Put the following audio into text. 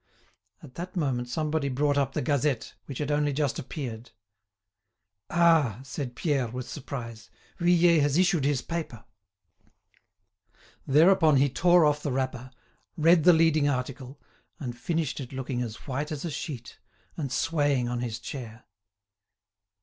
At that moment somebody brought up the "Gazette," which had only just appeared. "Ah!" said Pierre, with surprise. "Vuillet has issued his paper!" Thereupon he tore off the wrapper, read the leading article, and finished it looking as white as a sheet, and swaying on his chair.